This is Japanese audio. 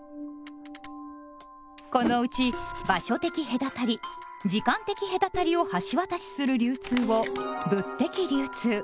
このうち場所的隔たり・時間的隔たりを橋渡しする流通を「物的流通」。